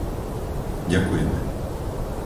Ďakujeme!